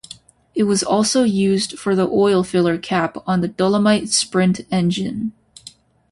It was also used for the oil filler cap on the Dolomite Sprint engine.